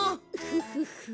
フフフ。